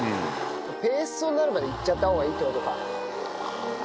ペーストになるまでいっちゃった方がいいって事か。